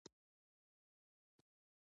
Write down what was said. ژوندي نور ژوند ته هڅوي